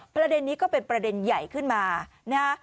ประเด็นนี้ก็เป็นประเด็นใหญ่ขึ้นมานะฮะ